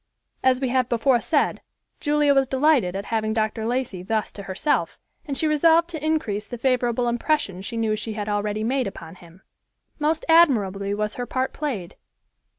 As we have before said, Julia was delighted at having Dr. Lacey thus to herself, and she resolved to increase the favorable impression she knew she had already made upon him. Most admirably was her part played.